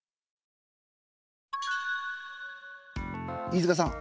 飯塚さん